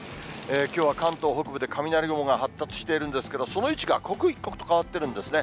きょうは関東北部で雷雲が発達しているんですけれども、その位置が刻一刻と変わってるんですね。